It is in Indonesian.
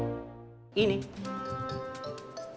mungkin dia punya klub